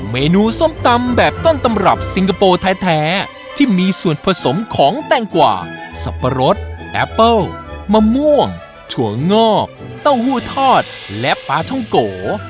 เมนูส้มตำแบบต้นตำรับซิงคโปร์แท้ที่มีส่วนผสมของแตงกว่าสับปะรดแอปเปิ้ลมะม่วงถั่วงอกเต้าหู้ทอดและปลาท่องโก